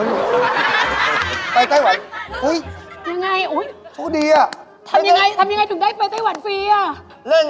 โธ่คุณรอเบิร์ต